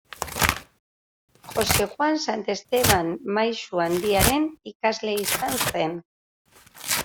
Jose Juan Santesteban maisu handiaren ikasle izan zen.